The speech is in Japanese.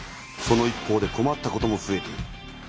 その一方で困ったこともふえている。